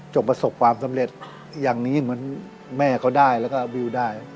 ประสบความสำเร็จอย่างนี้เหมือนแม่เขาได้แล้วก็วิวได้